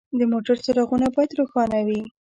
د موټر څراغونه باید روښانه وي.